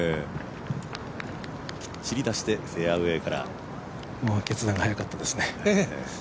きっちり出して、フェアウエーから決断が早かったですね。